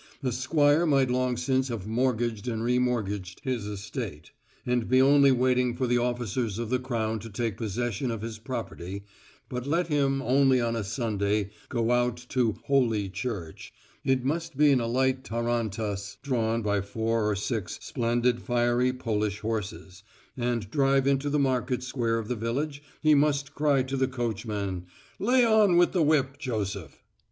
A squire might long since have mortgaged and re mortgaged his estate, and be only waiting for the officers of the Crown to take possession of his property, but let him only on a Sunday go out to "Holy Church," it must be in a light tarantass drawn by four or six splendid fiery Polish horses, and driving into the market square of the village he must cry to the coachman "Lay on with the whip, Joseph."